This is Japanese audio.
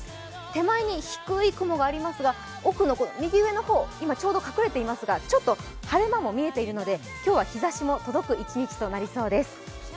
手前に低い雲がありますが奥の右上の方、今、ちょうど隠れていますが、ちょっと晴れ間も見えているので今日は日ざしも届く一日となりそうです。